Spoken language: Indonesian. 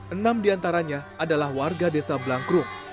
enam diantaranya adalah warga desa blangkrung